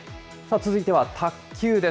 続いては卓球です。